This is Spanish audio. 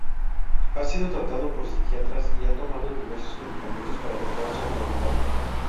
Ha sido tratado por psiquiatras y ha tomado diversos medicamentos para tratar su enfermedad.